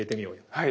はい。